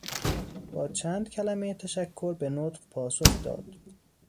با چند کلمهی تشکر به نطق پاسخ داد.